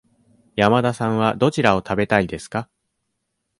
山田さんはどちらを食べたいですか。